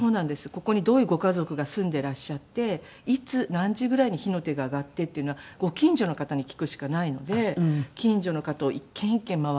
ここにどういうご家族が住んでいらっしゃっていつ何時ぐらいに火の手が上がってっていうのはご近所の方に聞くしかないので近所の方を一軒一軒回って。